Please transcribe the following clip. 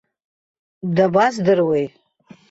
Дабаздыруеи.